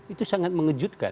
itu sangat mengejutkan